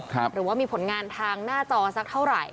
หรือว่ามีผลงานทางหน้าจอสักเท่าไหร่